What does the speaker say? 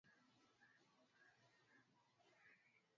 saba nne saba utueleze ziara ya barack obama rais huyu wa marekani